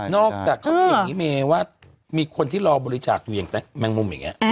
นอกจากเขาบอกว่ามีคนที่รอบริจาคอยู่อย่างแมงมุมอย่างนี้